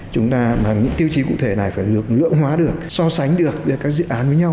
chúng ta bằng những tiêu chí cụ thể này phải lượng hóa được so sánh được các dự án với nhau